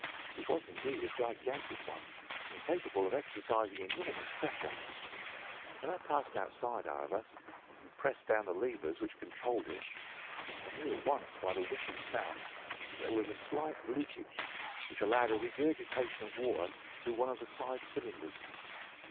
It was indeed a gigantic one, and capable of exercising enormous pressure. When I passed outside, however, and pressed down the levers which controlled it, I knew at once by the whishing sound that there was a slight leakage, which allowed a regurgitation of water through one of the side cylinders.